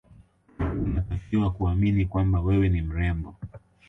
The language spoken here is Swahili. Unatakiwa kuamini kwamba wewe ni mrembo